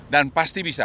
dan pasti bisa